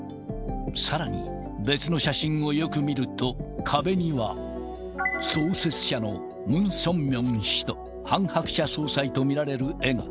さらに、別の写真をよく見ると、壁には、創設者のムン・ソンミョン氏とハン・ハクチャ総裁と見られる絵が。